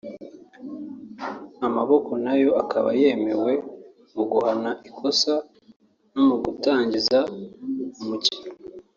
amaboko nayo akaba yemewe mu guhana ikosa no mu gutangiza umukino